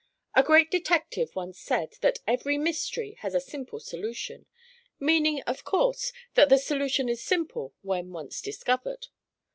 A great detective once said that "every mystery has a simple solution"—meaning, of course, that the solution is simple when once discovered.